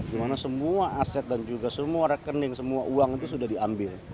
dimana semua aset dan juga semua rekening semua uang itu sudah diambil